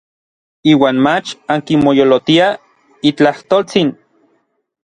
Iuan mach ankimoyolotiaj n itlajtoltsin.